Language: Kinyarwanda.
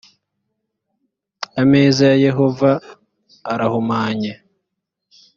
ameza ya yehova arahumanye